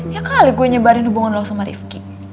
ya kali gue nyebarin hubungan lo sama rifki